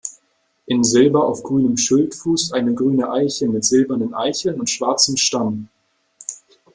In Silber auf grünem Schildfuß eine grüne Eiche mit silbernen Eicheln und schwarzem Stamm.